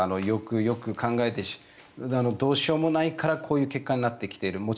よくよく考えてどうしようもないからこういう結果になってきている。